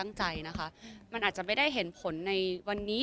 บางทีเค้าแค่อยากดึงเค้าต้องการอะไรจับเราไหล่ลูกหรือยังไง